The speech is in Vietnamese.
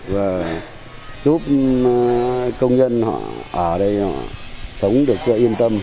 và giúp công nhân họ ở đây họ sống được cho yên tâm